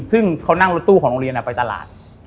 ซึ่งเขานั่งรถตู้ของโรงเรียนไปตลาด